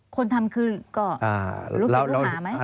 คนทำคือก็รู้สึกภูมิหาไหม